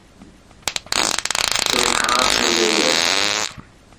تي کراب ٿي گئي هي.